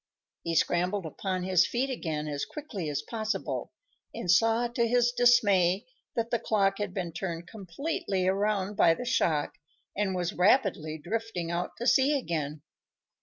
He scrambled upon his feet again as quickly as possible, and saw, to his dismay, that the clock had been turned completely around by the shock and was rapidly drifting out to sea again.